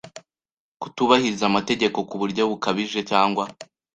kutubahiriza amategeko ku buryo bukabije cyangwa